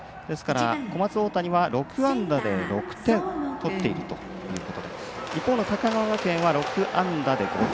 小松大谷は６安打で６点とっているということで一方の高川学園は６安打で５点。